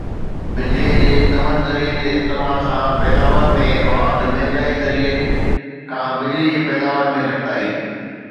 بجلي جي نون ذريعن جي استعمال سان پيداوار ۾ واڌ مهانگي ذريعن کان بجلي جي پيداوار ۾ گهٽتائي